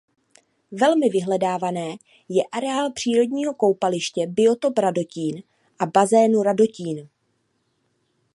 Velmi vyhledávané je areál přírodního koupaliště Biotop Radotín a Bazénu Radotín.